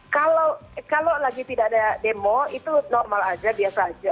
kalau lagi tidak ada demo itu normal aja biasa aja